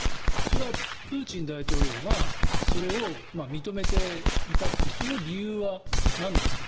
それはプーチン大統領がそれを認めていたというその理由は何なんですか？